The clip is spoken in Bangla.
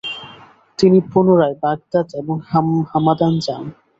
তিনি পুনরায় বাগদাদ এবং হামাদান যান।